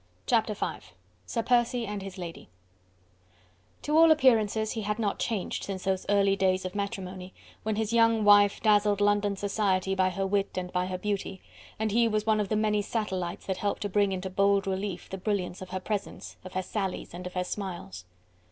Chapter V: Sir Percy and His Lady To all appearances he had not changed since those early days of matrimony, when his young wife dazzled London society by her wit and by her beauty, and he was one of the many satellites that helped to bring into bold relief the brilliance of her presence, of her sallies and of her smiles.